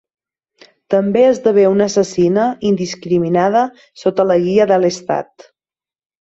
També esdevé una assassina indiscriminada sota la guia de Lestat.